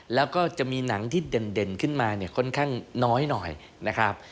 แล้วก็จะมีหนังที่เด่นขึ้นมาเนี่ยค่อนข้างน้อยหน่อยนะครับ